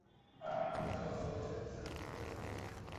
Los inviernos son templados y los veranos son muy calurosos.